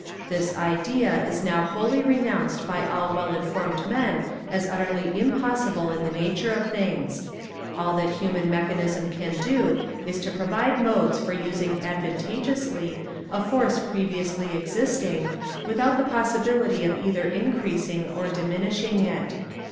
This idea is now wholly renounced by all well informed men as utterly impossible in the nature of things. All that human mechanism can do is to provide modes for using advantageously a force previously existing, without the possibility of either increasing or diminishing it.